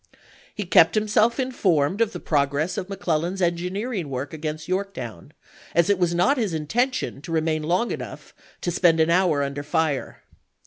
He kept himself informed of the progress of McClellan's engineering work against Yorktown, as it was not his intention to remain long enough to spend an hour under fire.